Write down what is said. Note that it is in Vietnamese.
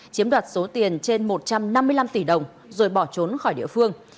chiếm đoạt số tiền trên một trăm năm mươi năm tỷ đồng rồi bỏ trốn khỏi địa phương